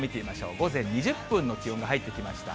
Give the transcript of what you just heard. ５時２０分の気温が入ってきました。